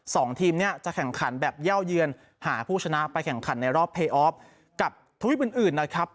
สองทีมเนี่ยจะแข่งขันแบบเย่าเยือนหาผู้ชนะไปแข่งขันในรอบเพย์ออฟกับทวิปอื่นอื่นนะครับ